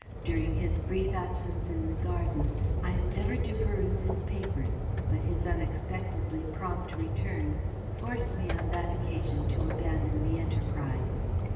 During his brief absence in the garden I endeavoured to peruse his papers, but his unexpectedly prompt return forced me on that occasion to abandon the enterprise.